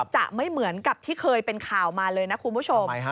จะไม่เหมือนกับที่เคยเป็นข่าวมาเลยนะคุณผู้ชม